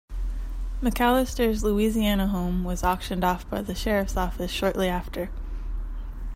McAllister's Louisiana home was auctioned off by the Sheriff's office shortly after.